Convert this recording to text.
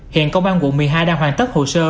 hiện công an quận một mươi hai đang hoàn tất hồ sơ